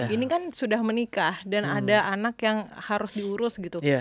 ini kan sudah menikah dan ada anak yang harus diurus gitu